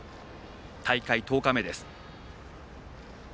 大会１０日目です。